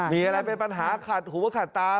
มีอะไรเป็นปัญหาขัดหูขัดตา